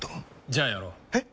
じゃあやろう。え？